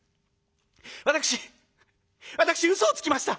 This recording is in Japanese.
私私うそをつきました。